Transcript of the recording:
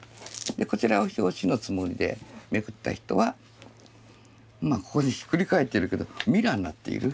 こちらを表紙のつもりでめくった人はここでひっくり返ってるけどミラーになっている。